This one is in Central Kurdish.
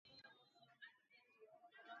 دینار بکەوێ و من هەڵیگرمەوە!